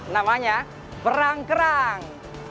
namanya perang kerang